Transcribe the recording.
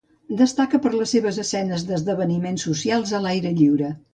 Destaca per les seves escenes d'esdeveniments socials a l'aire lliure.